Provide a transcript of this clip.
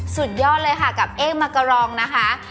สุดยอดเลยค่ะกับเอกมักกะรองนะคะ